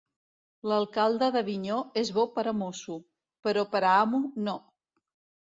L'alcalde d'Avinyó és bo per a mosso, però per a amo, no.